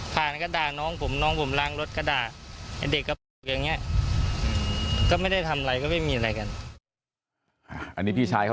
อ๋อก็คือเป็นการเข้าใจผิดกันมาก